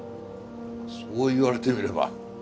そう言われてみれば。